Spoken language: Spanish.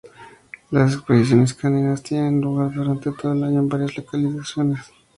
Las exposiciones caninas tienen lugar durante todo el año en varias locaciones.